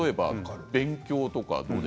勉強とか。